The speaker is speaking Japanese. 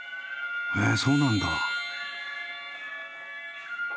へえそうなんだ。